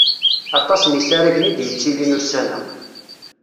Aṭas n yisaragen i d-yettilin ussan-a.